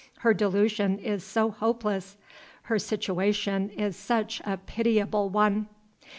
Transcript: Her delusion is so hopeless! her situation is such a pitiable one!"